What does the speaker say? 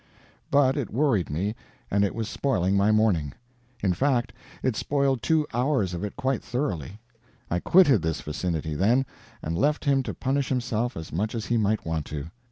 But it worried me, and it was spoiling my morning. In fact, it spoiled two hours of it quite thoroughly. I quitted this vicinity, then, and left him to punish himself as much as he might want to.